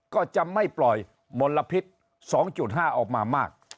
ก็จะไม่ปล่อยมลพิษ๒๕ออกมามาก